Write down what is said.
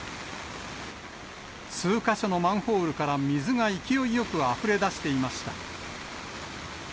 数か所のマンホールから水が勢いよくあふれ出していました。